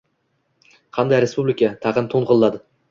— Qanday respublika? — tag‘in to‘ng‘illadi.